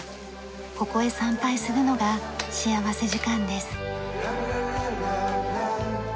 ここへ参拝するのが幸福時間です。